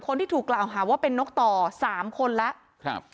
คนที่ถูกกล่าวหาว่าเป็นนกต่อสามคนแล้วครับ